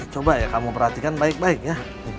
coba ya kamu perhatikan baik baik ya